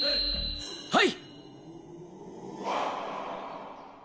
はい！